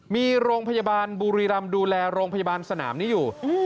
มีโรงพยาบาลบุรีรำดูแลโรงพยาบาลสนามนี้อยู่